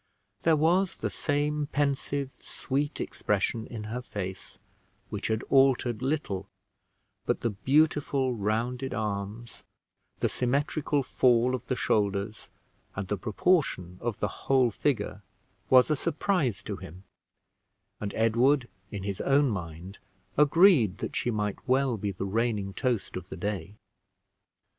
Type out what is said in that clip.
There was the same pensive, sweet expression in her face, which had altered little; but the beautiful rounded arms, the symmetrical fall of the shoulders, and the proportion of the whole figure was a surprise to him; and Edward, in his own mind, agreed that she might well be the reigning toast of the day.